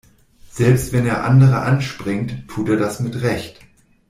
Selbst wenn er andere anspringt, tut er das mit Recht.